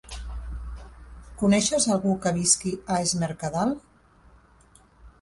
Coneixes algú que visqui a Es Mercadal?